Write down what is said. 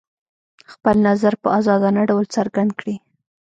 خپل نظر په ازادانه ډول څرګند کړي.